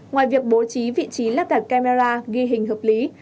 ngoài việc bố trí vị trí lắp đặt camera ghi hình hợp lý